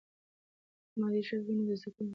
که مادي ژبه وي، نو د زده کوونکي ذهن ته ثبات ورکوي.